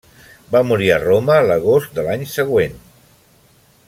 Va morir a Roma l'agost de l'any següent.